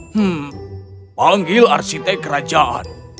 hmm panggil arsitek kerajaan